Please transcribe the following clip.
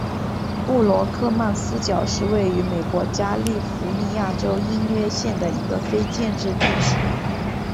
布罗克曼斯角是位于美国加利福尼亚州因约县的一个非建制地区。